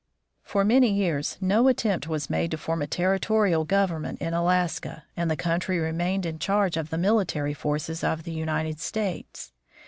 For many years no attempt was made to form a terri torial government in Alaska, and the country remained in charge of the military forces of the United States.